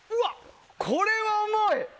これは重い！